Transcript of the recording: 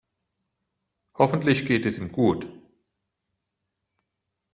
Hoffentlich geht es ihm gut.